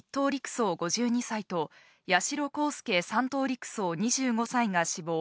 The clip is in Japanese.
親１等陸曹・５２歳と、八代航佑３等陸曹・２５歳が死亡。